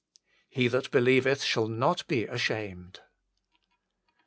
" He that believeth shall not be ashamed."